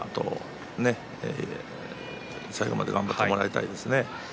最後まで頑張ってもらいたいですね。